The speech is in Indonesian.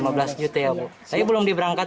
oh pekerjaannya dukun beranak ya